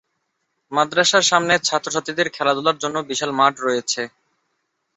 মাদ্রাসার সামনে ছাত্র-ছাত্রীদের খেলাধুলার জন্য বিশাল মাঠ রয়েছে।